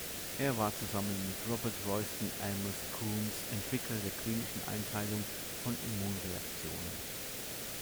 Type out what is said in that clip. Er war zusammen mit Robert Royston Amos Coombs Entwickler der Klinischen Einteilung von Immunreaktionen.